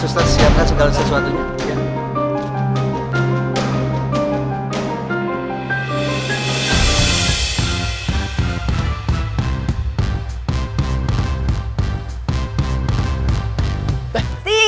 sustan siapkan segala sesuatunya